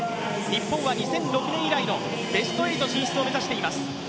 日本は２００６年以来のベスト８進出を目指しています。